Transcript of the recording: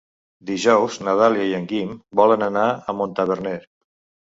Dijous na Dàlia i en Guim volen anar a Montaverner.